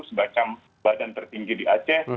semacam badan tertinggi di aceh